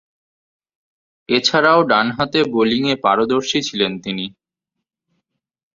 এছাড়াও, ডানহাতে বোলিংয়ে পারদর্শী ছিলেন তিনি।